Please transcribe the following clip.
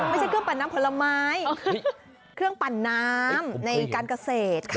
ไม่ใช่เครื่องปั่นน้ำผลไม้เครื่องปั่นน้ำในการเกษตรค่ะ